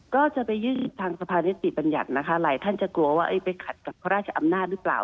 ก็จะไปยื่นทางสภานิติบัญญัตินะคะหลายท่านจะกลัวว่าไปขัดกับพระราชอำนาจหรือเปล่า